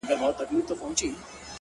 ملنگ خو دي وڅنگ ته پرېږده ـ